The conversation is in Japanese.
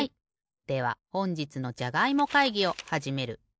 ではほんじつのじゃがいも会議をはじめる。